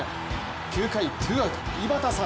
９回ツーアウト井端さん